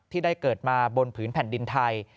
ที่ได้เกิดมาบนผืนแผ่นดินไทย